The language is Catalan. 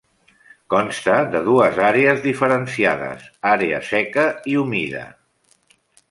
Consta de dues àrees diferenciades, àrea seca i humida.